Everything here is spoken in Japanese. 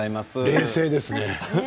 冷静ですね。